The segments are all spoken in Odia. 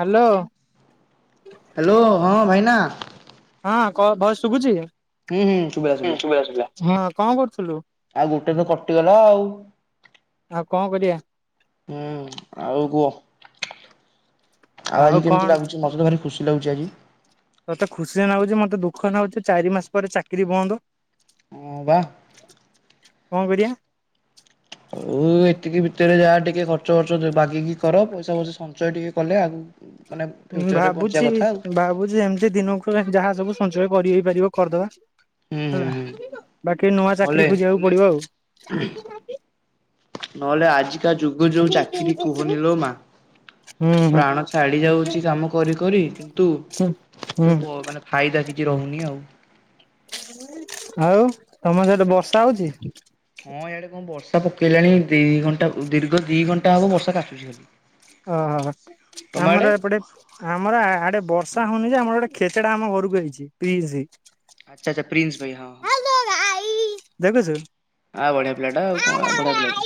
ହ୍ୟାଲୋ। ହ୍ୟାଲୋ ହଁ ଭାଇନା। ହଁ କ ଭଏସ୍ ଶୁଭୁଛି ହୁଁ ସୁଵିଲା ସୁଵିଲା କଣ କରୁଥିଲୁ? ଆଉ ଗୋଟେ ତ କଟିଗଲା ଆଉ। ଆଉ କଣ କରିବା। ହୁଁ ଆଉ କୁହ? ଆଉ ଆଜି କେମିତି ଲାଗୁଛି ମତେ ତ ଭାରି ଖୁସି ଲାଗୁଛି ଆଜି। ତତେ ଖୁସିରେ ନାଗୁଛି ମତେ ଦୁଃଖରେ ନାଗୁଛି ଚାରି ମାସ ପରେ ଚାକିରି ବନ୍ଦ। ହୁଁ ବା। କଣ କରିବା? ଆଉ ଏତିକି ଭିତରେ ଯାହା ଟିକେ ଖର୍ଚ୍ଚ ଫର୍ଚ୍ଚ ବାଗେଇକି କର ପଇସା ଫଇସା ସଞ୍ଚୟ ଟିକେ କଲେ ଆଗକୁ ମାନେ ଫ୍ୟୁଚରରେ ବଞ୍ଚିବା ଭାବୁଛି କଥା ଆଉ। ଭାବୁଛି ଏମ୍ ତି ଦିନକୁ ଖୋଲା ଯାହା ସବୁ ସଞ୍ଚୟ କରି ହେଇପାରିବ କରିଦବା ହୁଁ ହୁଁ ହୁଁ ହେଲା। ବାକି ନୂଆ ନହେଲେ ଚାକିରି ଖୋଜିବାକୁ ପଡିବ ଆଉ। ନହେଲେ ଆଜି ଆଜିକା ଯୁଗ ଯୋଉ ଚାକିରି କୁହନି ଲୋ ମା। ହୁଁ ହୁଁ ହୁଁ। ପ୍ରାଣ ଛାଡି ଯାଉଛି କାମ କରି କରି କିନ୍ତୁ ହୁଁ ତୁ ପୁ ଫାଇଦା କିଛି ରହୁନି ଆଉ। ଆଉ ତମର ସେପଟେ ବର୍ଷା ହଉଛି? ହଁ ଇଆଡେ କଣ ବର୍ଷା ପକେଇଲାଣି ଦି ଘଣ୍ଟା ଦୀର୍ଘ ଦି ଘଣ୍ଟା ହବ ବର୍ଷା କାଚୁଛି ଖାଲି। ଓହୋ ତମ ଆଡେ ଆମର ଏପଟେ ଆମର ଆଡେ ବର୍ଷା ହଉନି ଯେ ଆମର ଗୋଟେ ଖେଚେଡା ଆମ ଘରକୁ ଆଇଛିି ପ୍ରିନ୍ସ୍। ଆଚ୍ଛା ଆଚ୍ଛା ପ୍ରିନ୍ସ ଭାଇ ହଁ। ଦେଖୁଚୁ। ଆ ବଢିଆ ପିଲାଟା ଆଉ କଣ ବଢିଆ ପିଲାଟା।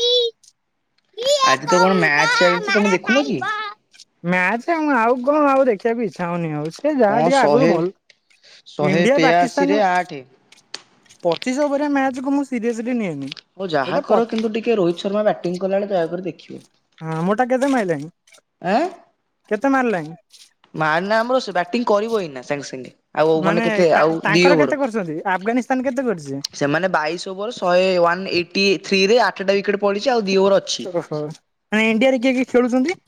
କିଏ ଆଜି ତ କଣ କହୁଛ ମ୍ୟାଚ୍ ଚାଲିଛି ତମେ ଦେଖୁନ କି? ମ୍ୟାଚ ଆଉଁ ଆଗ ଆଉ ଦେଖିବାକୁ ଇଚ୍ଛା ହଉନି ଆଉ। ସେ କଣ ଯାହା ଟିକେ ଆଗରୁ ଶହେ ଭଲ ଶହେ ଇଣ୍ଡିଆ ତେୟାଅଶୀରେ ପାକିସ୍ତାନ ଆଠେ। ପଚିଶ ଓଭରିଆ ମ୍ୟାଚ୍ କୁ ମୁଁ ସିରିଏସଲି ନିଏନି। ହଉ ଯାହା ଗୋଟେ ପ କର କିନ୍ତୁ ଟିକେ ରୋହିତ ଶର୍ମା ବ୍ୟାଟିଂ କଲା ବେଳେ ଦୟାକରି ଦେଖିବ। ହଁ ମୋଟା କେତେ ମାଇଲେଣି? ଆଁଏ ମାରନା ଆମର ସେ ବ୍ୟାଟିଂ କରିବ ଏଇନା ସାଙ୍ଗେ ସାଙ୍ଗେ। ଆଉ ମାନେ କେତେ ତା ଆଉ? ଦି ତାଙ୍କର ଓଭର କେତେ କରୁଛନ୍ତି ଆଫଗାନିସ୍ତାନ କେତେ କରିଛି ସେମାନେ ବାଇଶ ଓଭର ଶହେ ୱାନ୍ ଏ ଟି ଥ୍ରୀରେ ଆଠଟା ୱିକେଟ ପଡିଛି ଆଉ ଦି ଓଭର ଅଛି। ନାଇଁ ଇଣ୍ଡିଆରେ କିଏ କିଏ ଖେଳୁଛନ୍ତି?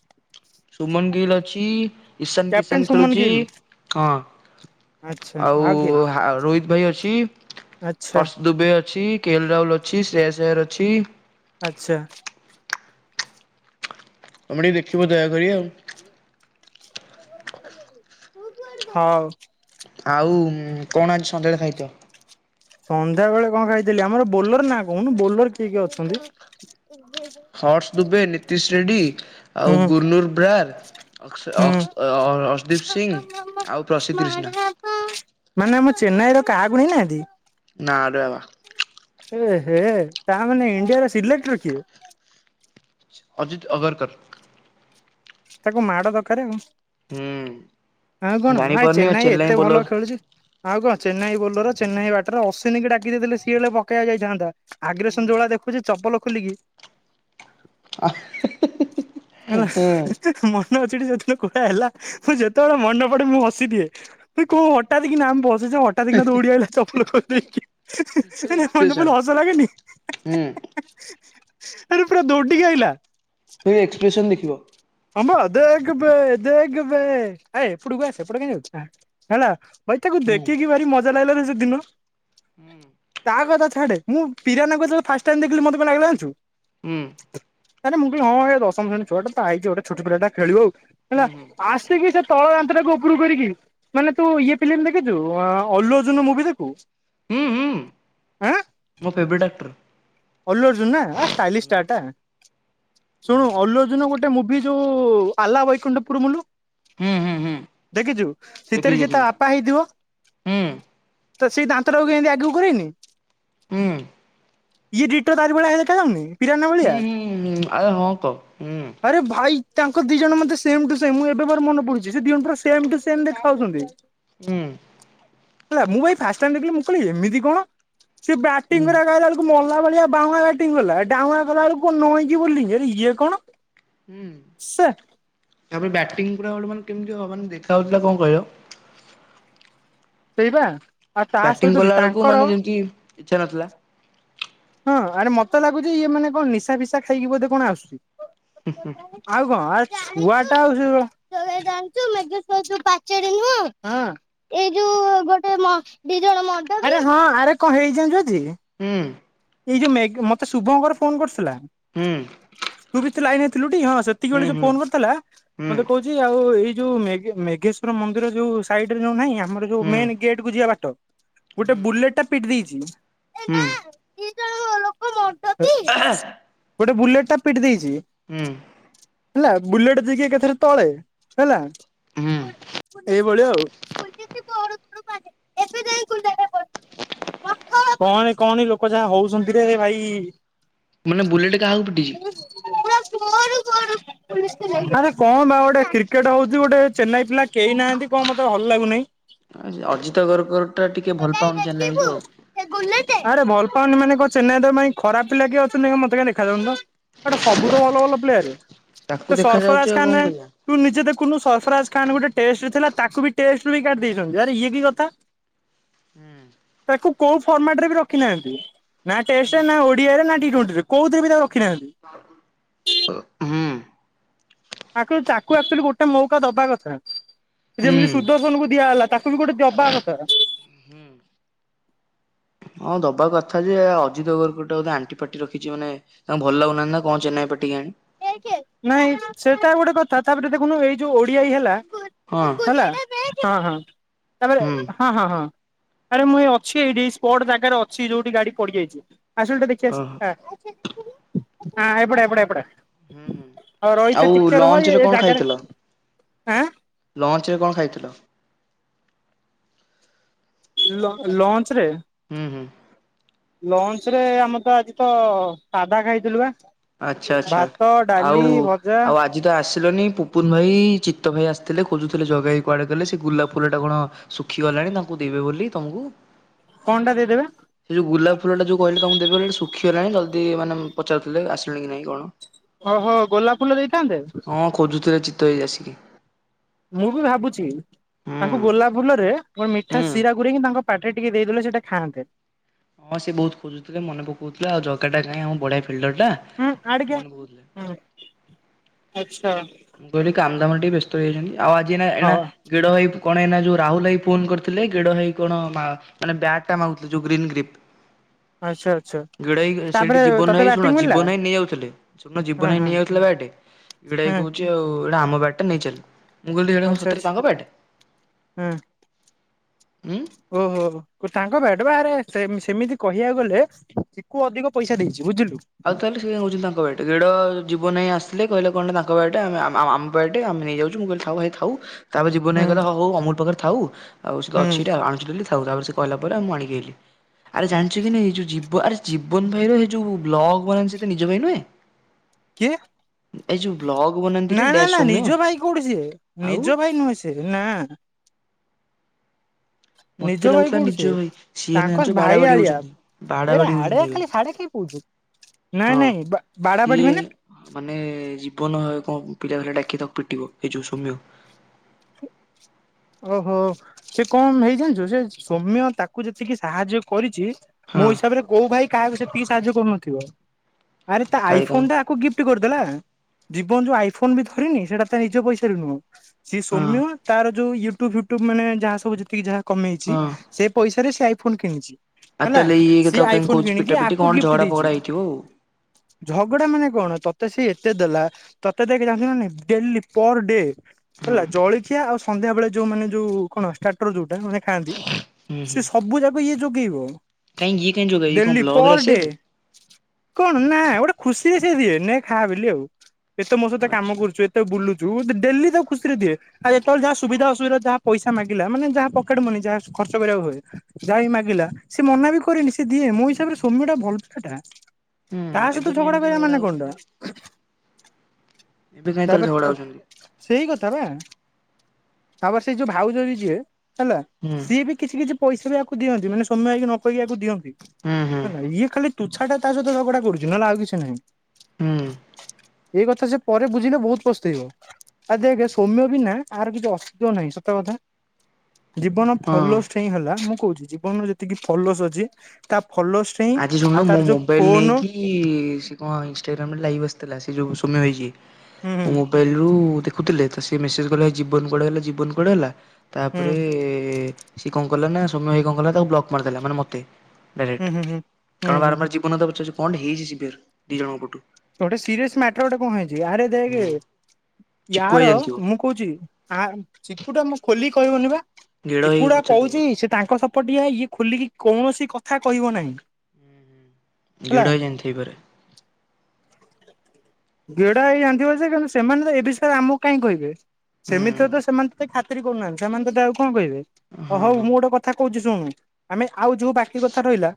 ସୁମନ ଡିଲ୍ ଅଛି ଇଶାନ୍ କ୍ୟାପ୍ଟେନ କିସାନ୍ ସୁମନ ଖେଳୁଛି ଗିଲ୍ ହଁ। ଆଚ୍ଛା ଆଉ କିଏ ହାଁ ରୋହିତ ଭାଇ ଅଛି। ଆଚ୍ଛା ହର୍ସ ଦୁବେ ଅଛି କେଲ୍ ରାହୁଲ ଅଛି ଶ୍ରେୟାସ୍ ଆୟର ଅଛି। ଆଚ୍ଛା। ତମେ ଟିକେ ଦେଖିବ ଦୟାକରି ଆଉ। ହଉ। ଆଉ କଣ ଆଜି ସନ୍ଧ୍ୟାବେଳେ ଖାଇଚ? ସନ୍ଧ୍ୟା ବେଳେ କଣ ଖାଇଥିଲି? ଆମର ବୋଲର ନାଁ କହୁନୁ ବୋଲର କିଏ କିଏ ଅଛନ୍ତି? ହର୍ସ ଦୁବେ ନୀତିଶ ରେଡ୍ଡୀ ହୁଁ ଆଉ ଗୁର୍ନୁର ବ୍ରାର। ଅକ୍ସ ହୁଁ। ଅକ୍ସ ଅ ଅର୍ସଦୀପ ସିଂ ଆଉ ପ୍ରସିଦ୍ ତ୍ରିଷ୍ଣ। ଆଁ ମାନେ ଆମ ଚେନ୍ନାଇ ର କାହାକୁ ନେଇଁ ନାହାନ୍ତି। ନାଁରେ ବାଃ ବାଃ। ଏଁ ହେଁ ତା ମାନେ ଇଣ୍ଡିଆର ସିଲେକ୍ଟର କିଏ? ଅଜିତ୍ ଅଗରକର। ତାକୁ ମାଡ ଦରକାର ଆଉ। ହୁଁ ଆଉ କଣ ହାଁଇ ଜାଣିପାରୁନି ଆଉ ଚେନ୍ନାଇ ଏତେ ବୋଲର ଭଲ ଖେଳୁଛି। ଆଉ କଣ ଚେନ୍ନାଇ ବୋଲର ଚେନ୍ନାଇ ବ୍ୟାଟରେ ଅଶ୍ୱିନୀକି ଡାକି ଦେଇଥିଲେ ସିଏ ହେଲେ ପକାଇବାକୁ ଯାଇଥାନ୍ତା। ଆଗ୍ରେସନ ଯଉଁଭଳିଆ ଦେଖୁଛି ଚପଲ ଖୋଲିକି। ଆଁ ହେଁ ହେଁ ହିଁ ହିଁ ହିଁ। ହେଲା ହେଁ ହେଁ ମନ ଅଛିଟି ସେଦିନ କଉଁଭଳିଆ ହେଲା ମୁଁ ଯେତେବେଳେ ମନେ ପଡେ ମୁଁ ହସିଦିଏ। ଏଁ କୋଉଁ ହଠାତ୍ କିନା ଆମେ ବସିଛେ ହଟାତ୍ କିନା ଦଉଡ଼ିଆଇଲା ଚପଲ ଖୋଲିଦେଇକି ହେଁ ହେଁ ହିଁ ମନେ ପଇଲେ ହୁଁ ହସ ଲାଗେନି। ହିଁ ହିଁ। ହୁଁ। ଏଁହାଁ ଏଁହାଁ ଆରେ ପୁରା ଦୌଡ଼ିକି ଆଇଲା। କହିବେ ଏକ୍ସପ୍ରେସନ ଦେଖିବ। ହଁବ ଦେଖେବେ ଦେଖେବେ ହେଏଁ ଏପଟକୁ ଆ ସେପଟ କୁ କାହିଁ ଯାଉଛୁ ଆ ହେଲା। ଭାଇ ତାକୁ ହୁଁ। ଦେଖିକି ଭାରି ମଜା ଲାଗିଲା ନାଁ ସେଦିନ ହୁଁ। ତା କଥା ଛାଡେ। ମୁଁ ପିରାନା କୁ ଯେତେବେଳେ ଫାଷ୍ଟ ଟାଇମ ଦେଖିଲି ମୋତେ କଣ ଲାଗିଲା ଜାଣିଛୁ? ହୁଁ। ଥୂ ନାଁ ନାଁ ମୁଁ ବି ହଁ ବେ ଦଶମ ଶ୍ରେଣୀ ଛୁଆଟା ତୁ ତ ଆଇଛୁ ଗୋଟେ ଛୋଟ ପିଲାଟା ଖେଳୁ ହୁଁ ହେଲା ଆସିକି ଯେ ତଳ ଦାନ୍ତ ଟାକୁ ଉପରକୁ କରିକି ମାନେ ତୁ ଇଏ ଫିଲ୍ମ ଦେଖିଛୁ ଉଁମଁ ଅଲ୍ଲୁଅର୍ଜୁନର ମୁଭି ଦେଖୁ? ହୁଁ ହୁଁ। ମୋ ଫେବରାଇଟ୍ ଆଡକ୍ଟର। ଅଲ୍ଲୁଅର୍ଜୁନ ନାଁ ହେଁ ଷ୍ଟାଇଲିଶ ଷ୍ଟାର ଟା ଶୁଣୁ ଅଲ୍ଲୁଅର୍ଜୁନର ଗୋଟେ ଗୋଟେ ମୁଭି ଯୋଉଁ ଆଲ୍ଲା ବୈକୁଣ୍ଠପୁର ମୁୁଲୁ। ହୁଁ ହୁଁ ଦେଖିଛୁ। ଦେଖିବି ସେଥିରେ ଯିଏ ତା ଦେଖିବି ବା ପା ହେଇଥିବ ହୁଁ ତ ସେଇ ଦାନ୍ତଟାକୁ ଏମତି ଆଗକୁ କରେନି। ହୁଁ। ଇଏ ଦିଟୋ ତାରି ଭଳି ଦେଖାଯାଉନି? ହୁଁ ହୁଁ ଆରେ ହଁ ତ ହୁଁ। ଆରେ ଭାଇ ତାଙ୍କ ଦି ଜଣ ମତେ ସେମ୍ ଟୁ ସେମ୍ ମୁଁ ଏବେ ମୋର ମନେ ପଡୁଛି ସେ ଦି ଜଣ ପୁରା ସେମ୍ ଟୁ ସେମ୍ ଦେଖାଯାଉଛନ୍ତି। ହୁଁ। ହେଲା ମୁଁ ଭାଇ ଫାଷ୍ଟ ଟାଇମ ଦେଖିଲି ମୁଁ କହିଲି ଏମିତି କଣ ସେ ବ୍ୟାଟିଂ ହୁଁ କରିଆକୁ ଆଇଲା ବେଳକୁ ମଲା ଭଳିଆ ବାଉଁଆ ବ୍ୟାଟିଂ କଲା ଡାଉଁଆ କଲାବେଳକୁ ନଇଁ କି ବୋଲିଙ୍ଗ ଆରେ ଇଏ କଣ। ହୁଁ। ସେ। ତାପରେ ବ୍ୟାଟିଂ ପୁରା ବେଳକୁ କେମିତି ହବ ଦେଖା ହଉଥିଲା କଣ କହିବ? ପିଇବା। ବ୍ୟାଟିଂ କଲାବେଳକୁ ମାନେ ଯେମିତି ଇଚ୍ଛା ନଥିଲା। ହଁ ଆରେ ମତେ ଲାଗୁଛି ଇଏ ମାନେ କଣ ନିଶା ଫିସା ଖାଇକି ବୋଧେ କଣ ଆସୁଛି। ଆଉ କଣ ଆ ଛୁଆ ଟା ଆଉ ସେଇଭ୍ ଜାଣିଚୁ [inaudible] ପାଚେରୀ ନୁହଁ। ହଁ ଏଇ ଯୋଉ ଗୋଟେ ମ ଦି ଜଣ ମଦ, ଆରେ ହଁ ଆରେ କଣ ହେଇଛି ଜାଣିଛୁ ଆଜି। ହୁଁ। ଏଇ ଯୋଉ ମେଗ୍ ମତେ ଶୁଭଙ୍କର ଫୋନ କରୁଥିଲା। ହୁଁ। ତୁ ବି ତ ଲାଇନ ରେ ଥିଲୁ ଟି ହଁ ସେତିକି ହୁଁ ବେଳେ ଯୋଉ ହୁଁ ଫୋନ କରିଥିଲା ହୁଁ ମତେ କହୁଛି ଆଉ ଏଇ ଯୋଉ ମେଘ୍ ମେଘେଶ୍ଵର ମନ୍ଦିର ଯୋଉ ସାଇଡରେ ଯୋଉ ନାହିଁ ଆମର ଯୋଉ ହୁଁ। ମେନ୍ ଗେଟ୍ କୁ ଯିବା ବାଟ ଗୋଟେ ହୁଁ ବୁଲେଟ ଟା ପିଟି ଦେଇଛି। ଦି ଜଣ ଲୋକ ମଦ ପି। ଗୋଟେ ବୁଲେଟ ଟା ପିଟି ଦେଇଛି। ହୁଁ ହେଲା ବୁଲେଟ ଦେଇକି ଏକାଥରେ ତଳେ ହେଲା। ହୁଁ ଏଇଭଳିଆ ଆଉ। [unintelligible] କହନି କହନି ଲୋକ ଯାହା ହଉଛନ୍ତି ରେ ଭାଇ। ମାନେ ବୁଲେଟ କାହାକୁ ପିଟିଛି? ଆରେ କଣ ବା ଗୋଟେ କ୍ରିକେଟ ହଉଛି ଗୋଟେ ଚେନ୍ନାଇ ପିଲା କେହି ନାହାନ୍ତି କଣ ମତେ ଭଲ ଲାଗୁନାହିଁ। ଅଜିତ ଗରଗର୍ ଟା ଟିକେ ଭଲ ପାଉନି ଚେନ୍ନାଇଙ୍କୁ ଆଉ। ଆରେ ଭଲ ପାଉନି ମାନେ କଣ ଚେନ୍ନାଇ ତ ପାଇଁ ଖରାପ ପିଲା କିଏ ଅଛନ୍ତି ମତେ କାହିଁ ଦେଖାଯାଉନି ତ। ଏଟା ସବୁ ତ ଭଲ ଭଲ ପ୍ଲେୟାର ତାକୁ ସେ ଦେଖାଯାଉଛି ସର୍ଫରାଜ ଆଉ କଣ ଖାନ କରିବା। ତୁ ନିଜେ ଦେଖୁନୁ ସର୍ଫରାଜ ଖାନ୍ ଗୋଟେ ଟେଷ୍ଟ ଥିଲା ତାକୁ ବି ଟେଷ୍ଟ ରୁ ବି କାଟି ଦେଇଛନ୍ତି ଆରେ ଇଏ କି କଥା। ହୁଁ। ତାକୁ କୋଉ ଫର୍ମାଟ ରେ ବି ରଖିନାହାନ୍ତି ନା ଟେଷ୍ଟ ନା ଓ ଡିଆଇ ରେ ନା ଟି ଟ୍ବେଣ୍ଟି ରେ କୋଉଥିରେ ବି ତାକୁ ରଖିନାହାନ୍ତି। ହୁଁ। ତାକୁ ତାକୁ ଅର୍ଚୋଲି ଗୋଟେ ମଉକା ଦବା କଥା ହୁଁ। ଯେମିତି ସୁଦର୍ଶନଙ୍କୁ ଦିଆ ହେଲା ତା କିନ୍ତୁ ଗୋଟେ ଦବା କଥା। ହୁଁ। ହଁ ଦବା କଥା ଯେ ଅଜିତ ଅଗ୍ରକର ପଟେ ଗୋଟେ ଆଣ୍ଟିପାଟି ରଖିଛି ମାନେ ତାଙ୍କୁ ଭଲ ଲାଗୁନାହାନ୍ତି ନା କଣ ଚେନ୍ନାଇ ପାଟି କେଜାଣି। ନାଇଁ ସେଟା ଗୋଟେ କଥା ତାପରେ ଦେଖୁନୁ ଏଇ ଯୋଉ ଓଡିଆଇ ହେଲା ହଁ ହେଲା ହଁ ହଁ ହୁଁ ତାପରେ ହଁ ହଁ ହଁ ଆରେ ମୁଁ ଏଇ ଅଛି ଏଇଠି ସ୍ପଟ୍ ଜାଗାରେ ଅଛି ଯୋଉଠି ଗାଡି ପଡିଯାଇଛି ଆସଲୁ ଟିକେ ଦେ ଓହୋ ଚେଷ୍ଟା, ହଁ ଏପଟେ ଏପଟେ ଏପଟେ। ହୁଁ ହୁଁ, ରହିଥା ଆଉ ଟିକେ ରହ ଲଞ୍ଚରେ ଏ କଣ ଜାଗାରେ ଖାଇଥିଲ? ଆଁ ଲଞ୍ଚରେ କଣ ଖାଇଥିଲ? ଲ ଲଞ୍ଚରେ? ହୁଁ ହୁଁ। ଲଞ୍ଚରେ ଆମେ ତ ଆଜି ତ ସାଧା ଖାଇଥିଲୁ ବା। ଆଚ୍ଛା ଆଚ୍ଛା ଭାତ, ଆଉ ଡାଲି, ଭଜା। ଆଉ ଆଜି ତ ଆସିଲନି ପୁପୁନ୍ ଭାଇ ଚିତ୍ତ ଭାଇ ଆସିଥିଲେ ଖୋଜୁଥିଲେ ଜଗା ଭାଇ କୁଆଡ଼େ ଗଲେ ସେ ଗୁଲାପ୍ ଫୁଲଟା କଣ ଶୁଖିଗଲାଣି ତାଙ୍କୁ ଦେବେ ବୋଲି ତମକୁ। କଅଁଟା ଦେଇଦେବେ? ସେ ଯୋଉ ଗୁଲାପ ଫୁଲଟା ଯୋଉ କହିଲେ ତମକୁ ଦେବେ ବୋଲି ଶୁଖିଗଲାଣି ଜଲ୍ଦି ମାନେ ପଚାରୁଥିଲେ ଆସିଲଣି କି ନାଇଁ କଣ। ଓହୋ ଗୋଲାପ ଫୁଲ ଦେଇଥାନ୍ତେ? ହଁ ଖୋଜୁଥିଲେ ଚି ତ୍ତ ଭାଇ ଆସିକି। ମୁଁ ବି ଭାବୁଛି, ହୁଁ ତାଙ୍କୁ ଗୋଲାପ ଫୁଲରେ ଗୋଟେ ମିଠା ହୁଁ। ସିରା ଗୁରେଇକି ତାଙ୍କ ପାଟିରେ ଟିକେ ଦେଇଦେଲେ ସେଟା ଖାଆନ୍ତେ। ହଁ ସେ ବହୁତ ଖୋଜୁଥିଲେ, ମନେ ପକଉଥିଲେ ଆଉ ଜଗାଟା କାଇଁ ଆଉ ବଢ଼ିଆ ଫିଲ୍ଡରଟା। ହୁଁ ଆଉ ଟିକେ, ମନେ ପକଉଥିଲେ। ହୁଁ ଆଚ୍ଛା। ମୁଁ କହିଲି କାମଦାମରେ ଟିକେ ବ୍ୟସ୍ତ ହେଇଯାଇଛନ୍ତି, ଆଉ ଆଜି ଏଇନା ଏଣା ହଁ ଗେଡ଼ ଭାଇ କଣ ଏଇନା ଯୋଉ ରାହୁଲ୍ ଭାଇ ଫୋନ୍ କରିଥିଲେ ଗେଡ଼ ଭାଇ କଣ ମା ମାନେ ବ୍ୟାଟ୍ ଟା ମାଗୁଥିଲେ ଯୋଉ ଗ୍ରୀନ୍ ଗ୍ରୀପ୍। ଆଚ୍ଛା ଆଚ୍ଛା ଗେଡ଼ ଭାଇ ସେଇଠି ତାପରେ ଜୀବନ ତତେ ଭାଇ ଶୁଣ ବ୍ୟାଟିଂ ମିଳିଲା ଜୀବନ ଭାଇ ନେଇଯାଉଥିଲେ, ଶୁଣୁନ ଜୀବନ ହଁ ଭାଇ ହଁ ନେଇଯାଉଥିଲେ ବ୍ୟାଟ୍। ଗେଡ଼ା ଭାଇ ହୁଁ କହୁଛି ଆଉ ଏଇଟା ଆମ ବ୍ୟାଟ୍ ଟା ନେଇ ଚାଲେ, ମୁଁ କହିଲି ଏଟା କଣ ଆଚ୍ଛା ସତରେ ଆଚ୍ଛା। ତାଙ୍କ ବ୍ୟାଟ୍? ଉଁ। ଓହୋ, କ ତାଙ୍କ ବ୍ୟାଟ୍ ପା ଆରେ ସେମ୍ ସେମିତି କହିବାକୁ ଗଲେ ଚିକୁ ଅଧିକ ପଇସା ଦେଇଛି ବୁଝିଲୁ। ଆଉ ତାହେଲେ ସିଏ କାଇଁ କହୁଛନ୍ତି ତାଙ୍କ ବ୍ୟାଟ୍, ଗେଡ ଜୀବନ ଭାଇ ଆସିଥିଲେ କହିଲେ କଣ ନା ତାଙ୍କ ବ୍ୟାଟ୍ ଆମେ [unintelligible] ଆମ ବ୍ୟାଟ୍ ଆମେ ନେଇଯାଉଛୁ, ମୁଁ କହିଲି ଥାଉ ଭାଇ। ଥାଉ, ତାପରେ ଜୀବନ ଭାଇ ହୁଁ କହିଲା ହଉ ହଉ ଅମୁଲ୍ ପାଖରେ ଥାଉ ଆଉ ସେତ ହୁଁ ଅଛିଟା ଆଣୁଛି ଡ଼େଲି ଥାଉ ତାପରେ ସେ କହିଲା ପରେ ଆଉ ମୁଁ ଆଣିକି ଆଇଲି, ଆରେ ଜାଣିଛୁ କି ନାଇଁ ଏ ଯୋଉ ଜୀବ ଆରେ ଜୀବନ ଭାଇର ହେ ଯୋଉ ବ୍ଲଗ୍ ବନାନ୍ତି ସେ ତା ନିଜ ଭାଇ ନୁହେଁ? କିଏ? ଏ ଯୋଉ ବ୍ଲଗ ବନାନ୍ତିରେ ନା, ନା, ଡ୍ୟାସ ନା, ସୌମ୍ୟ ନିଜ ଭାଇ କୋଉଠି ସିଏ, ଆଉ ନିଜ ଭାଇ ନୁହେଁ ସେ ନାଁ। ମତେ ନିଜ ଭାଇ ଲାଗୁଥିଲା କୋଉଠି ନିଜ ସିଏ ଭାଇ ସିଏ ନା ତାଙ୍କ ଜାଣିଛ ବାଡା ଭାଇ ବାଡି ଆଳିଆ, ହଉଛନ୍ତି ବାଡା ଏରା ବାଡି ଆଡେ ହଉଛନ୍ତି ଆ ଏବେ ଖାଲି ସାଡେ କି କହୁଥିଲି, ନାଇଁ ହଁ ନାଇଁ ବା ବାଡ଼ାବାଡି ସିଏ ମାନେ? ମାନେ ଜୀବନ ହ କଣ ପିଲା ଫିଲା ଡାକି ତାକୁ ପିଟିବ ଏଇ ଯୋଉ ସୌମ୍ୟ। ଓହୋ, ସେ କଣ ହେଇଚି ଜାଣିଛୁ ସେ ସୌମ୍ୟ ତାକୁ ଯେତିକି ସାହାଯ୍ୟ କରିଛି ମୋ ହଁ ହିସାବରେ କୋଉ ଭାଇ କାହାକୁ ସେତିକି ସାହାଯ୍ୟ କରୁନଥିବ, ଆରେ ତା କାଳେ କାଇଁ ଆଇଫୋନ୍ ଟା ଆକୁ ଗିଫ୍ଟ କରିଦେଲା, ଜୀବନ ଯୋଉ ଆଇଫୋନ୍ ବି ଧରିନି ସେଇଟା ତା ନିଜ ପଇସାରେ ନୁହଁ। ସେଇ ହଁ ସୌମ୍ୟ ତାର ଯୋଉ ୟୁଟ୍ୟୁବୁ ଫ୍ୟୁଟ୍ୟୁବ ମାନେ ଯହା ସବୁ ଯେତିକି ଯାହା କମେଇଛି। ହଁ ସେ ପଇସାରେ ସେ ଆଇଫୋନ୍ କିଣିଛି। ଆଉ ହେଲା, ତାହେଲେ ଇଏ ତ ସିଏ କାହିଁ ଆଇଫୋନ୍ କହୁଛି ପିଟା କିଣିକି ପିଟି ଆକୁ କଣ ଗିଫ୍ଟ ଝଗଡା ଫଗଡା ଦେଇଚି। ହେଇଥିବ ଆଉ। ଝଗଡ଼ା ମାନେ କଣ ତତେ ସିଏ ଏତେ ଦେଲା। ତୋତେ ଦେଖେ ଜାଣିଚୁନା ନାଇଁ ଡେଲି ପର ଡେ ହଁ ହେଲା ଜଳଖିଆ ଆଉ ସନ୍ଧ୍ୟା ବେଳେ ଯୋଉ ମାନେ ଯୋଉ କଣ ଷ୍ଟାଟର୍ ଯୋଉଟା ମାନେ ଖାଆନ୍ତି ସେ ସବୁ ଯାକ ଇଏ ଯୋଗେଇବ। କାହିଁକି ଇଏ କାହିଁ ଯୋଗାଏ ଇଏ କଣ ଡେଲି ବ୍ଲଗ୍ ରେ ପର ଡେ ଆସିବାକୁ? କଣ ନା ଗୋଟେ ଖୁସିରେ ସେ ଦିଏ ନେ ଖା ବୋଲିି ଆଉ। ଏତେ ମୋ ସହିତ ଆଚ୍ଛା କାମ କରୁଚୁ ଏ ତେ ବୁଲୁଚୁ ଡେ-ଡେଲି ତାକୁ ଖୁସିରେ ଦିଏ। ଆ ଏ ତାେର ଯାହା ସୁବିଧା ଅସୁବିଧା ଯାହା ପଇସା ମାଗିଲା ମାନେ ଯାହା ପକେଟ୍ ମନି ଯାହା ଖର୍ଚ୍ଚ କରିବାକୁ ହୁଏ। ଯାଇ ମାଗିଲା ସେ ହୁଁ ମନା ବି କରେନି ସେ ଦିଏ। ମୋ ହିସାବରେ ସୌମ୍ୟ ଟା ଭଲ ପିଲାଟା। ତା ହୁଁ ଏବେ ସହିତ କାହିଁ ଝଗଡ଼ା ଏମିତି କରିବା ଝଗଡା ମାନେ କଣ ଟା? ହଉଛନ୍ତି? ଏବେ କାହିଁ [unintelligible] ତାହେଲେ ଝଗଡା ତ ହଉଛନ୍ତି? ସେଇ କଥା ବା। ତାପରେ ସେଇ ଯୋଉ ଭାଉଜ ବି ଯିଏ ହେଲା ହୁଁ ସିଏ ବି କିଛି କିଛି ପଇସା ବି ଆକୁ ଦିଅନ୍ତି ମାନେ ସୋମ୍ୟ ଭାଇ କି ନ କହିକି ଆକୁ ଦିଅନ୍ତି ହୁଁ ହୁଁ ହେଲା। ଇଏ ଖାଲି ତୁଛାଟା ତା ସହିତ ଝଗଡ଼ା କରୁଚି ନହଲେ ଆଉ କିଛି ନାହିଁ। ହୁଁ। ଏଇ କଥା ସେ ପରେ ବୁଝିଲେ ବହୁତ ପସ୍ତେଇବ ଆ ଦେଖ ସୌମ୍ୟ ବି ନା ଆର କିଛି ଅସ୍ତ୍ୟ ନାହିଁ ସତ କଥା। ଜୀବନ ହଁ। ଫୋଲସ୍ ଠିଁ ହେଲା ମୁଁ କହୁଚି ଜୀବନରେ ଯେ ତିକି ଫଲୋସ୍ ଅଛି ତା ଫଲୋସ୍ଟ ଆଜି ଶୁଣୁନ ମୋ ମୋବାଇଲ୍ ନେଇକି ଇ, ସେ କଣ ଇନଷ୍ଟଗ୍ରାମରେ ଲାଇଭ୍ ଆସିଥିଲା ସେ ଯୋଉ ସୋମ୍ୟ ଭାଇ ଯିଏ ହୁଁ ମୋବାଇଲ୍ ଲୁ ଦେ ଖୁଥିଲେ ତ ସେ ମେସେଜ୍ କଲା ଜୀବନ କୁଆଡେ ଗଲା ଜୀବନ କୁଆଡେ ଗଲା? ହୁଁ ତାପରେ ଏ, ସେ କଣ କଲାନା ସୌମ୍ୟ ଭାଇ କଣ କଲା ତାକୁ ବ୍ଲକ୍ ମାରି ଦେଲା ମାନେ ମୋତେ। ହୁଁ, ହୁଁ, ହୁଁ। କାରଣ ହୁଁ ବାରବାର ଜୀବନ କଥା ପଚାରୁଛି କଣ ଟେ ହେଇଛି ସିବିୟର୍ ଦି ଜଣଙ୍କ ପଟୁ। ଗୋଟେ ସିରିୟସ୍ ମ୍ୟାଟର୍ ଗୋଟେ କଣ ହେଇଛି। ଆରେ ଦେଖ ହୁଁ ଚିକୁ ଭାଇ ୟାର ଜାଣିଥିବ ମୁଁ କହୁଛି ଆ, ଚିକୁ ଟା ମୁଁ ଖୋଲିିକି କହିବନି ବା ଗେଡ ଭାଇ ଚିକୁ କି ଟା ପଚାରିଦବ। କହୁଛି ସେ ତାଙ୍କ ସପଟିଆ ଇଏ ଖୋଲିକି କୌଣସି କଥା କହିବ ନାହିଁ। ହେଲା ଗେଡା ଭାଇ ଜାଣଥାଇପାରେ। ଗେଡା ଭାଇ ଜାଣିଥିବ ଯେ କିନ୍ତୁ ସେମାନେ ତ ଏ ବିଷୟରେ ଆମକୁ କାହିଁକି କହିବେ? ସେମିତି ତ ହୁଁ ସେମାନେ ତୋତେ ଖା ତିରି କରୁନାହାନ୍ତି, ସେମାନେ ତୋତେ ଆଉ କଣ କହିବେ? ଓ ହଁ ହୋଉ ହଁ ମୁଁ ଗୋଟେ କଥା କହୁଛି ଶୁଣୁ ଆମେ ଆଉ ଯୋଉ ବାକି କଥା ରହିଲା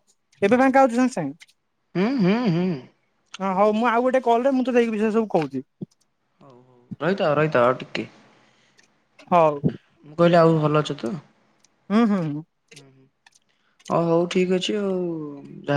ଏବେ ଫାଙ୍କା ଅଛୁ ସାଙ୍ଗ ସାଙ୍ଗ। ଉଁ, ହୁଁ, ହୁଁ। ଅଁ, ହଉ ମୁଁ ଆଉ ଗୋଟେ କଲ୍ ରେ ମୁଁ ତୋତେ ଏଇ ବିଷୟରେ ସବୁ କହୁଛି। ହଉ ହଉ। ରହିଥାଅ ରହିଥାଅ ଆଉ ଟିକେ। ହଉ। ମୁଁ କହିଲି ଆଉ ଭଲ ଅଛ ତ? ଅଁ, ହଁ ମୁଁ ଓ ହଉ ଠିକ ଅଛି ଆଉ ଯା